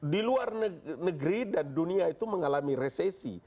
di luar negeri dan dunia itu mengalami resesi